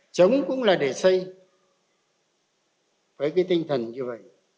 chống cũng là để xây với cái tinh thần như vậy